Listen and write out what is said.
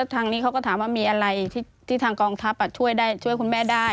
ทางนี้เขาก็ถามว่ามีอะไรที่ทางกองทัพช่วยได้ช่วยคุณแม่ได้